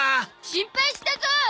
心配したゾ！